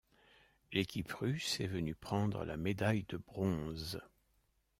L'équipe russe est venue prendre la médaille de bronze.